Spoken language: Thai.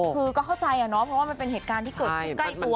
คือก็เข้าใจอะเนาะเพราะว่ามันเป็นเหตุการณ์ที่เกิดขึ้นใกล้ตัว